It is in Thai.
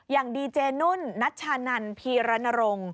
อย่างดีเจนุ่นนัชชานันพีรณรงค์